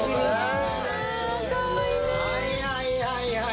はいはいはいはい。